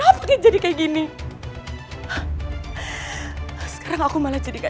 aku ngakuin aku salah